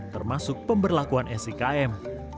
termasuk pemberlakuan sikm